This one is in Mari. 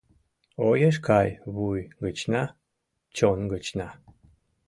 Огеш кай вуй гычна, чон гычна.